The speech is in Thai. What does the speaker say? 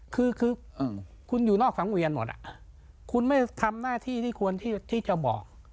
คือคือคุณอยู่นอกสังเวียนหมดคุณไม่ทำหน้าที่ที่ควรที่จะบอก